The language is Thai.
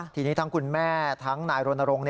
ทีนี้ทั้งคุณแม่ทั้งนายรณรงค์